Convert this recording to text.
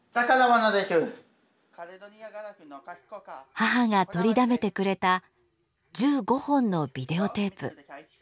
母がとりだめてくれた１５本のビデオテープ。